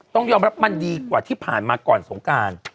ต้องยอมรับมันดีกว่าที่ผ่านมาก่อนสงการ